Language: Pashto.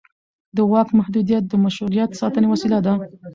د واک محدودیت د مشروعیت ساتنې وسیله ده